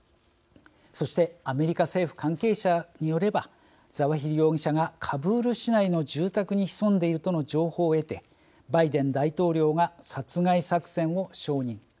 そしてアメリカ政府関係者によればザワヒリ容疑者がカブール市内の住宅に潜んでいるとの情報を得てバイデン大統領が殺害作戦を承認。